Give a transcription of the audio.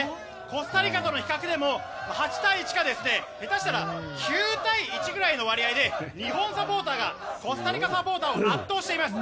コスタリカとの比較でも８対１か下手したら９対１ぐらいの割合で日本サポーターがコスタリカサポーターを圧倒しています。